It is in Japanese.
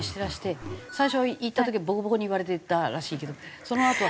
最初言った時ボコボコに言われてたらしいけどそのあとは。